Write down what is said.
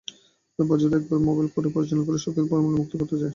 অথচ বছরে একবার মোবাইল কোর্ট পরিচালনা করে সরকার দেশকে ফরমালিনমুক্ত করতে চায়।